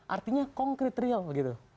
artinya konkret real gitu